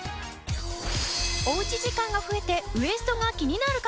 おうち時間が増えてウエストが気になる方必見。